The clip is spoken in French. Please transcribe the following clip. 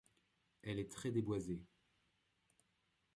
Elle est très déboisée.